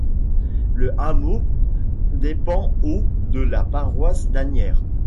Le hameau dépend au de la paroisse d'Anières.